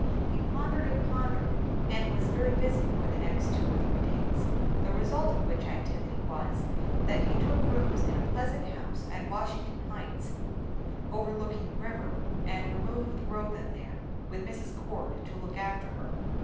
He pondered and pondered, and was very busy for the next two or three days. The result of which activity was, that he took rooms in a pleasant house at Washington Heights, overlooking the river, and removed Rotha there, with Mrs. Cord to look after her.